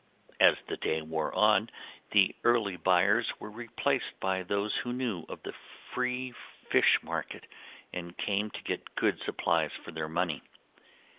As the day wore on the early buyers were replaced by those who knew of the free fish market and came to get good supplies for their money.